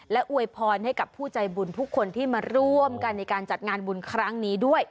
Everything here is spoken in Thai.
และอวยพรให้กับผู้ใจบุญทุกคนที่มาร่วมกันในการจัดงานบุญครั้งนี้ด้วย